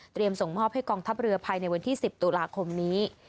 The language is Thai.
ส่งมอบให้กองทัพเรือภายในวันที่๑๐ตุลาคมนี้